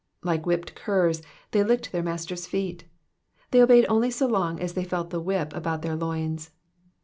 ''^ Like whipped curs, they licked their Master's feet. They obeyed only so long as they felt the whip about their loins.